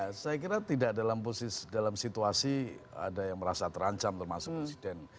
ya saya kira tidak dalam situasi ada yang merasa terancam termasuk presiden